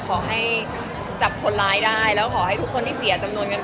ขอให้จับคนร้ายได้แล้วขอให้ทุกคนที่เสียจำนวนเงิน